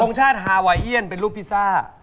ชาติฮาไวเอียนเป็นรูปพิซซ่า